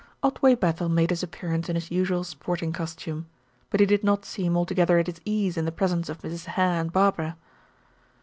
Otway Bethel made his appearance in his usual sporting costume. But he did not seem altogether at his ease in the presence of Mrs. Hare and Barbara.